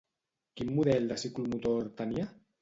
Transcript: Quin model de ciclomotor tenia?